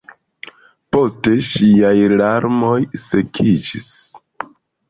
Poste ŝiaj larmoj sekiĝis.